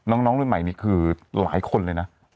น้องรุ่นใหม่นี่คือหลายคนเลยนะ